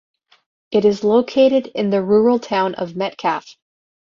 It is located in the rural town of Metcalfe.